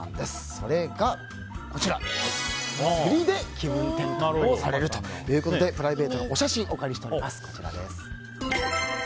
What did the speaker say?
それが、釣りで気分転換をされるということでプライベートのお写真をお借りしております。